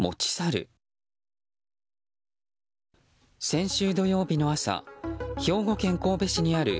先週土曜日の朝兵庫県神戸市にある